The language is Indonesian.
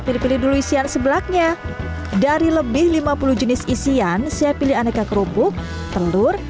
pilih pilih dulu isian sebelaknya dari lebih lima puluh jenis isian saya pilih aneka kerupuk telur